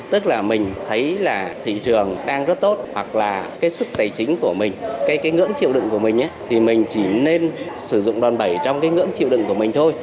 tức là mình thấy là thị trường đang rất tốt hoặc là cái sức tài chính của mình cái ngưỡng chịu đựng của mình thì mình chỉ nên sử dụng đòn bẩy trong cái ngưỡng chịu đựng của mình thôi